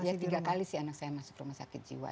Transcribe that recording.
ya tiga kali sih anak saya masuk rumah sakit jiwa